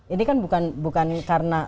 ini kan bukan karena